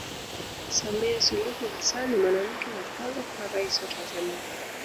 samia suluhu hassan ni mwanamke wa kwanza kuwa raisi wa tanzania